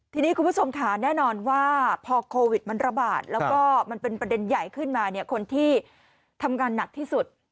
ทีนี้คุณผู้ชมค่ะแน่นอนว่าพอโควิดมันระบาดแล้วก็มันเป็นประเด็นใหญ่ขึ้นมาเนี่ยคนที่ทำงานหนักที่สุด